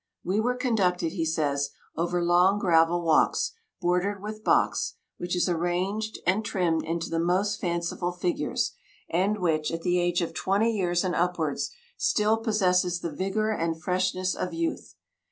"We were conducted," he says, "over long gravel walks, bordered with box, which is arranged and trimmed into the most fanciful figures, and which, at the age of twenty years and upwards, still possesses the vigour and freshness of youth.